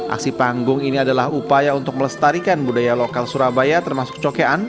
aksi panggung ini adalah upaya untuk melestarikan budaya lokal surabaya termasuk cokean